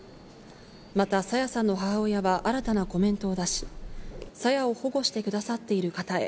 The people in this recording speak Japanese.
また朝芽さんの母親は新たなコメントを出し、朝芽を保護してくださっている方へ。